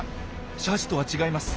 シャチとは違います。